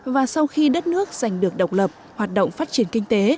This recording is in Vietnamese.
và sau khi đất nước giành được độc lập hoạt động phát triển kinh tế